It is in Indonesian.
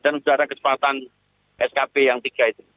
dan sudah ada kecepatan skp yang tiga itu